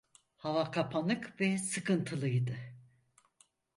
Hava kapanık ve sıkıntılıydı…